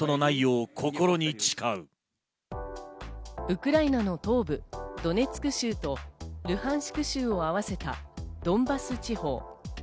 ウクライナの東部ドネツク州とルハンシク州をあわせたドンバス地方。